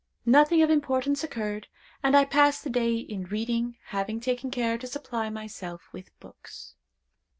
Nothing of importance occurred, and I passed the day in reading, having taken care to supply myself with books.